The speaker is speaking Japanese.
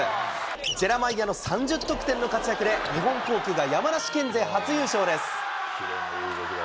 ジェラマイアの３０得点の活躍で、日本航空が山梨県勢初優勝です。